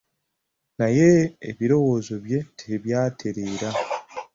Naye ebirowoozo bye tebyatereera.